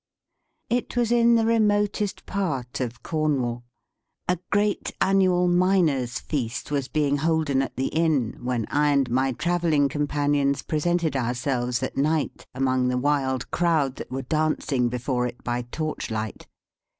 It was in the remotest part of Cornwall. A great annual Miners' Feast was being holden at the Inn, when I and my travelling companions presented ourselves at night among the wild crowd that were dancing before it by torchlight.